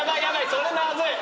それまずい！